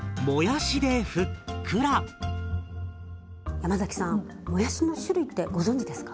山さんもやしの種類ってご存じですか？